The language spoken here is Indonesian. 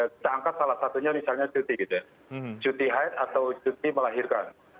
kita angkat salah satunya misalnya cuti gitu ya cuti haid atau cuti melahirkan